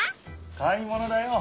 買い物だよ。